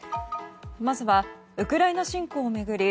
まずはウクライナ侵攻を巡り